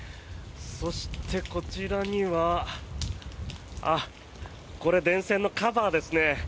そして、こちらにはこれ、電線のカバーですね。